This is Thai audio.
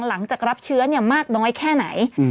หลังจากรับเชื้อมากน้อยแค่ไหน